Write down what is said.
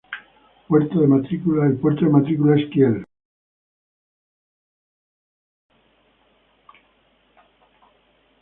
Puerto de matrícula es Kiel.